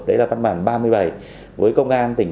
đấy là văn bản ba mươi bảy với công an tỉnh